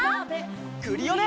クリオネ！